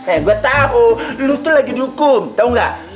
eh gue tau lo tuh lagi dihukum tau gak